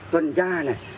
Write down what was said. tuần ra này